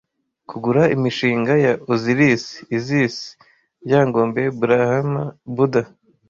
Kugura imishinga ya Osiris, Isis, Ryagombe , Brahma, Buddha,